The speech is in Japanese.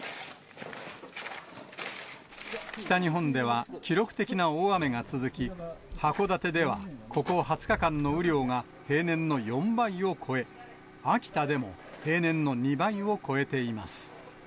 北日本では、記録的な大雨が続き、函館では、ここ２０日間の雨量が平年の４倍を超え、秋田でも平年の２倍を超えています。